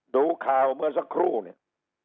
ดูข่าวเมื่อสักครู่เนี่ย